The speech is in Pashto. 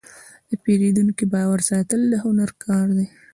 د پیرودونکي باور ساتل د هنر کار دی.